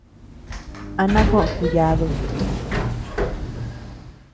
¿A na koʼod kuyadud?